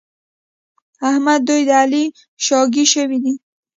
احمد دوی د علي شاګی شوي دي.